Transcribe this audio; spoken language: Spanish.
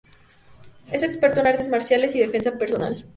Es experto en artes marciales y defensa personal.